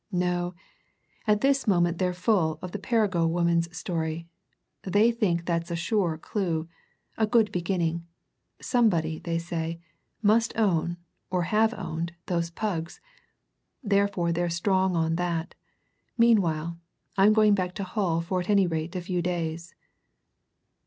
No at this moment they're full of the Perrigo woman's story they think that's a sure clue a good beginning. Somebody, they say, must own, or have owned, those pugs! Therefore they're going strong on that. Meanwhile, I'm going back to Hull for at any rate a few days."